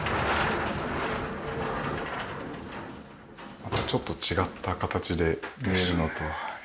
またちょっと違った形で見えるのと。